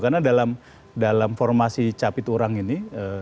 karena dalam formasi capit urang ini